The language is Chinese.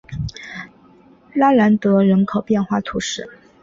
拉兰德人口变化图示